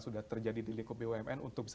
sudah terjadi di lingkup bumn untuk bisa